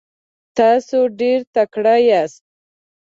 تاسو ډیر تکړه یاست.